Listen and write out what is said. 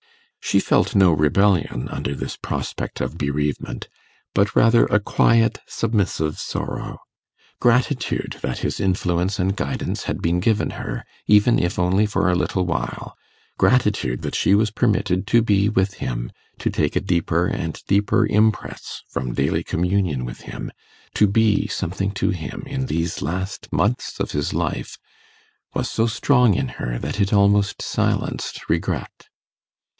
She felt no rebellion under this prospect of bereavement, but rather a quiet submissive sorrow. Gratitude that his influence and guidance had been given her, even if only for a little while gratitude that she was permitted to be with him, to take a deeper and deeper impress from daily communion with him, to be something to him in these last months of his life, was so strong in her that it almost silenced regret.